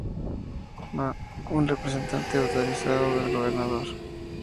Ma., un representante autorizado del gobernador.